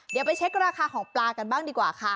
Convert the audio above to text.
เดี๋ยวไปเช็คราคาของปลากันบ้างดีกว่าค่ะ